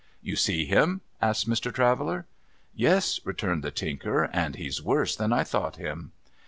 ' You see him ?' asked Mr. Traveller. ' Yes,' returned the Tinker, ' and he's worse than I thought him.'